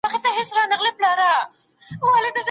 د ډیپلوماټیکو اړیکو په ترڅ کي د وګړو حقوق نه په نښه کیږي.